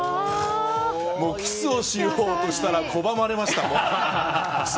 キスをしようとしたら拒まれました。